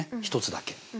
一つだけ。